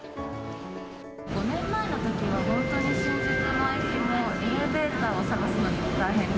５年前のときは、本当に新宿の駅もエレベーターを探すのが大変で。